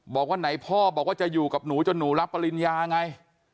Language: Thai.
บอกว่าไหนพ่อบอกว่าจะอยู่กับหนูจนหนูรับปริญญาไง